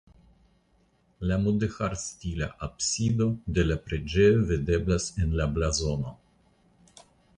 La mudeĥarstila absido de la preĝejo videblas en la blazono.